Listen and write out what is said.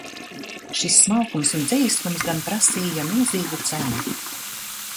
Šis smalkums un dzejiskums gan prasīja milzīgu cenu.